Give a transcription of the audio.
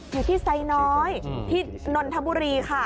อยู่ที่ไซน้อยที่นนทบุรีค่ะ